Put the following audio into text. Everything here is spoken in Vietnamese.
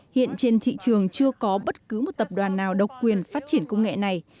hiện trên thị trường chưa có bất cứ một tập đoàn nào độc quyền phát triển công nghệ này